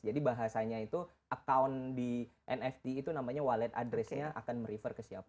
jadi bahasanya itu account di nft itu namanya wallet address nya akan merifer ke siapa